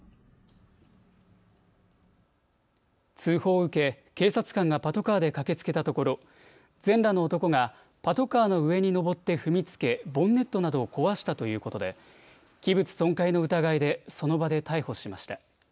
通報を受け、警察官がパトカーで駆けつけたところ全裸の男がパトカーの上にのぼって踏みつけ、ボンネットなどを壊したということで器物損壊の疑いでその場で逮捕しました。